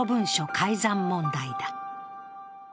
改ざん問題だ。